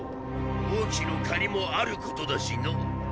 王騎の借りもあることだしのォ。